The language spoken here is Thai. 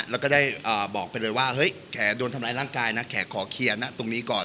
แล้วก็ได้บอกไปเลยว่าเฮ้ยแขโดนทำร้ายร่างกายนะแขกขอเคลียร์นะตรงนี้ก่อน